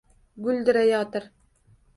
Guldurayotir.